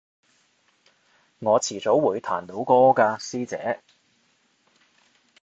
我遲早會彈到歌㗎師姐